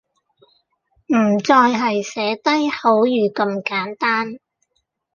唔再係寫低口語咁簡單